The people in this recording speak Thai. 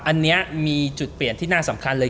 อันนี้มีจุดเปลี่ยนที่น่าสำคัญเลย